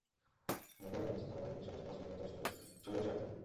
নদী এলাকার আইনশৃঙ্খলা বাহিনীর সদস্যদের অস্ত্র নিয়ে চলাচলের সময় সঙ্গে রশি রাখতে হয়।